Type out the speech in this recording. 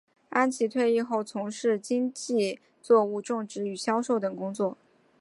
安琦退役后从事经济作物种植与销售等工作。